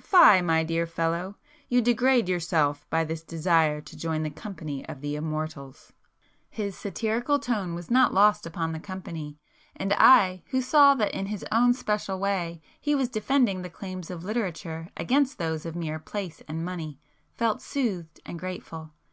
Fie, my dear fellow! You degrade yourself by this desire to join the company of the immortals!" His satirical tone was not lost upon the company; and I, [p 142] who saw that in his own special way he was defending the claims of literature against those of mere place and money, felt soothed and grateful.